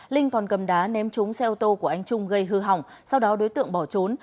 linh còn cầm đá ném trúng xe ô tô của anh trung gây hư hỏng sau đó đối tượng bỏ trốn